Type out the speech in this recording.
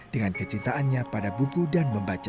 dengan kecintaannya pada buku dan membaca